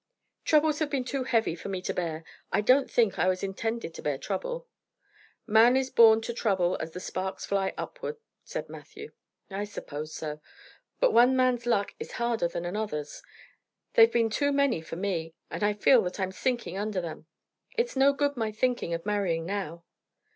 "Troubles have been too heavy for me to bear. I don't think I was intended to bear trouble." "'Man is born to trouble as the sparks fly upward,'" said Matthew. "I suppose so. But one man's luck is harder than another's. They've been too many for me, and I feel that I'm sinking under them. It's no good my thinking of marrying now."